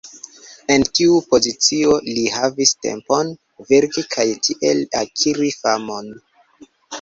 En tiu pozicio li havis tempon verki kaj tiel akiri famon.